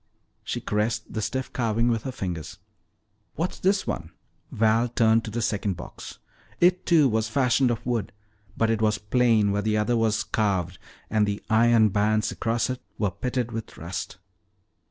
She caressed the stiff carving with her fingers. "What's this one?" Val turned to the second box. It, too, was fashioned of wood, but it was plain where the other was carved, and the iron bands across it were pitted with rust.